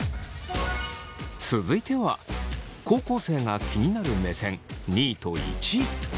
続いては高校生が気になる目線２位と１位。